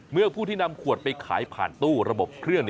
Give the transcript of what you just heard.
เมื่อผู้ที่นำขวดไปขายผ่านตู้ระบบเครื่อง